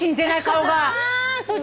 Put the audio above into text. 顔が。